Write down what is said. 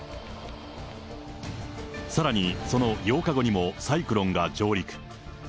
さらにその８日後にも、サイクロンが上陸。